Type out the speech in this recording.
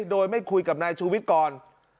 โดยไม่คุยกับนายชูวิทย์ก่อน